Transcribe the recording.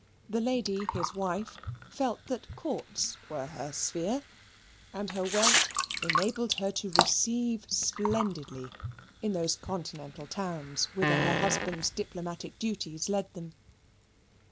The lady, his wife, felt that courts were her sphere, and her wealth enabled her to receive splendidly in those continental towns whither her husband's diplomatic duties led him.